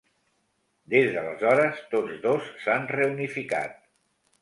Des d'aleshores, tots dos s'han reunificat.